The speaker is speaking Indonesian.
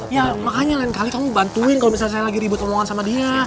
ya makanya lain kali kamu bantuin kalau misalnya saya lagi ribut omongan sama dia